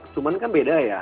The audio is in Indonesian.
cuman kan beda ya